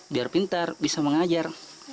biar pintar bisa mengajar